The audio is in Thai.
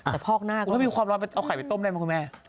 แต่พอกหน้าก็ถ้ามีความร้อนเอาไข่ไปต้มได้มั้ยคุณแม่